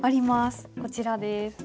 こちらです。